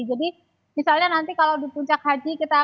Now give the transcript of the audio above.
jadi misalnya nanti kalau di puncak haji